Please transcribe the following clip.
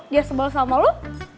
dia sebel sama lo